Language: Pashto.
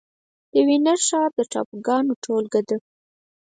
د وينز ښار د ټاپوګانو ټولګه ده.